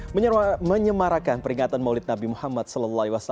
menyemarakan peringatan maulid nabi muhammad saw